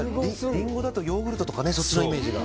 リンゴだとヨーグルトとかそっちのイメージが。